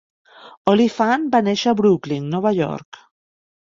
Oliphant va néixer a Brooklyn, Nova York.